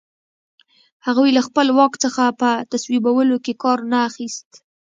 هغوی له خپل واک څخه په تصویبولو کې کار نه اخیست.